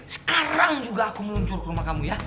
sekarang juga aku meluncur ke rumah kamu ya